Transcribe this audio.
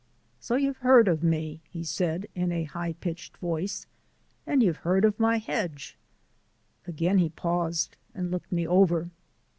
"So you've heard o' me," he said in a high pitched voice, "and you've heard o' my hedge." Again he paused and looked me over.